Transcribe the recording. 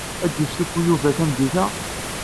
Ad yestufu Yuba tameddit-a?